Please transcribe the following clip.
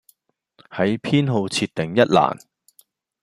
喺偏好設定一欄